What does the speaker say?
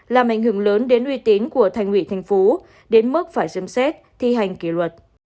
làm ảnh hưởng lớn đến uy tín của thành ủy thành phố đến mức phải xem xét thi hành kỷ luật